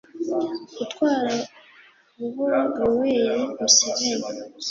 gutwara buhoro yoweri museveni,